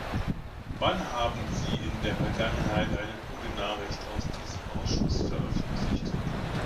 Wann haben sie in der Vergangenheit eine gute Nachricht aus diesem Ausschuss veröffentlicht?